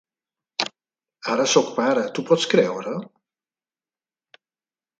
Ara soc pare, t'ho pots creure?